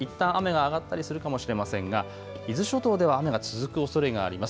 いったん雨が上がったりするかもしれませんが伊豆諸島では雨が続くおそれがあります。